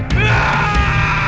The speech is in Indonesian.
aku mau putusin kamu